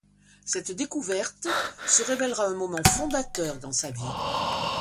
Cette découverte se révèlera un moment fondateur dans sa vie.